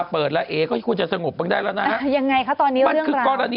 เปิดแล้วเอ็นก็ควรจะสงบบังได้แล้วนะครับ